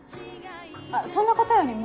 あっそんなことよりも。